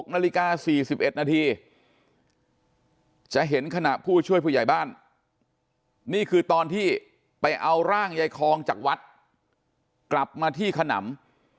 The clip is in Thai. นาฬิกา๔๑นาทีจะเห็นขณะผู้ช่วยผู้ใหญ่บ้านนี่คือตอนที่ไปเอาร่างยายคองจากวัดกลับมาที่ขนำ